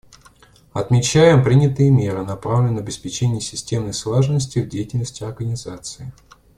Отмечаем принятые меры, направленные на обеспечение системной слаженности в деятельности Организации.